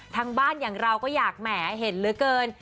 ทางบ้านอย่างเราก็อยากแหมเห็นเหลือเกิน